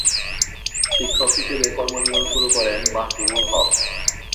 শিক্ষক হিসেবে কর্মজীবন শুরু করেন মাহবুবুল হক।